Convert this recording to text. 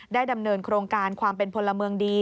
ดำเนินโครงการความเป็นพลเมืองดี